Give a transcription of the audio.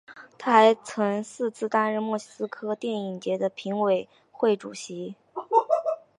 他还曾四次担任莫斯科电影节的评委会主席。